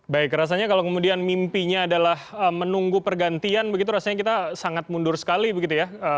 baik rasanya kalau kemudian mimpinya adalah menunggu pergantian begitu rasanya kita sangat mundur sekali begitu ya